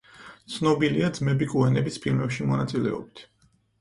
ცნობილია ძმები კოენების ფილმებში მონაწილეობით.